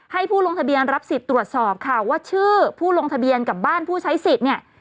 ให้ผู้ลงทะเบียนรับสิทธิ์ตรวจสอบค่ะว่าชื่อผู้ลงทะเบียนกับบ้านผู้ใช้สิทธิ์เนี่ย